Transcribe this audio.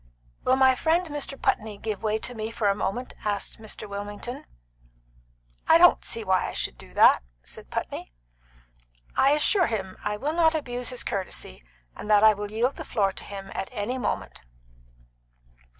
"Will my friend Mr. Putney give way to me for a moment?" asked Mr. Wilmington. "I don't see why I should do that," said Putney. "I assure him that I will not abuse his courtesy, and that I will yield the floor to him at any moment."